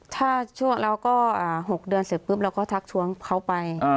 ถ้าเราก็๖เดือนเสร็จปุ๊บเราก็ทักทวงเขาไป